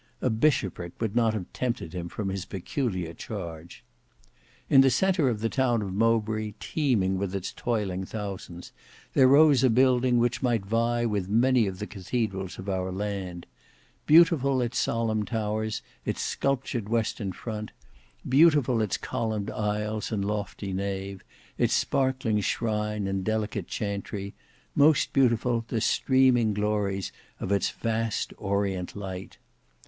A bishopric would not have tempted him from his peculiar charge. In the centre of the town of Mowbray teeming with its toiling thousands, there rose a building which might vie with many of the cathedrals of our land. Beautiful its solemn towers, its sculptured western front; beautiful its columned aisles and lofty nave; its sparkling shrine and delicate chantry; most beautiful the streaming glories of its vast orient light!